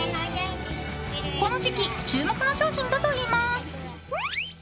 この時期注目の商品だといいます。